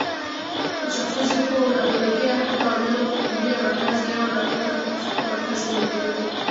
Uchafuzi huo unapelekea hata wanyama kukimbia makazi yao na kwenda kutafuta makazi mengine